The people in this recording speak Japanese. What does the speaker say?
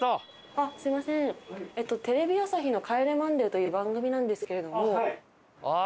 あっすみませんテレビ朝日の『帰れマンデー』という番組なんですけれども。